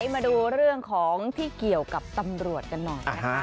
มาดูเรื่องของที่เกี่ยวกับตำรวจกันหน่อยนะคะ